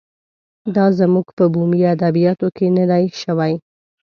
دا زموږ په بومي ادبیاتو کې نه دی شوی.